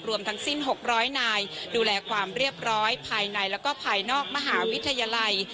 ทั้งสิ้น๖๐๐นายดูแลความเรียบร้อยภายในแล้วก็ภายนอกมหาวิทยาลัย